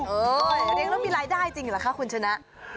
เลี้ยงแล้วมีรายได้จริงเหรอคะคุณชนะ